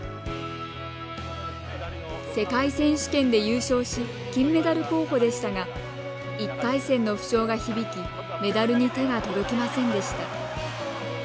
世界選手権で優勝し金メダル候補でしたが１回戦の負傷が響きメダルに手が届きませんでした。